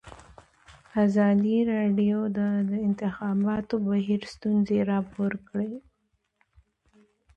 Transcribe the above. ازادي راډیو د د انتخاباتو بهیر ستونزې راپور کړي.